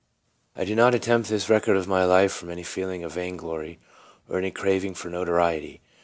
I DO not attempt this record of my life from any feeling of vain glory, or any craving for notoriety.